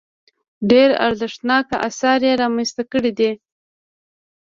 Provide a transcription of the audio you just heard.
ډېر ارزښتناک اثار یې رامنځته کړي دي.